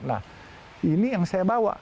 nah ini yang saya bawa